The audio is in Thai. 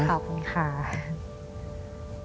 ขอบคุณค่ะ